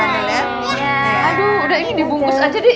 aduh udah ini dibungkus aja deh